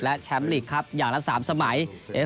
และแชมป์ลีกครับอย่างละ๓สมัย